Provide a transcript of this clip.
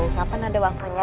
kapan ada waktunya